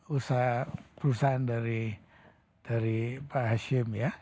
usaha perusahaan dari pak hashim ya